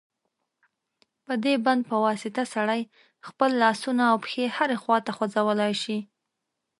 په دې بند په واسطه سړی خپل لاسونه او پښې هرې خواته خوځولای شي.